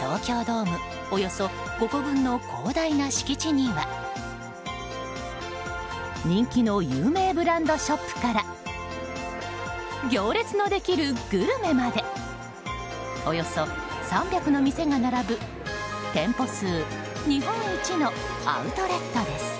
東京ドームおよそ５個分の広大な敷地には人気の有名ブランドショップから行列のできるグルメまでおよそ３００の店が並ぶ店舗数日本一のアウトレットです。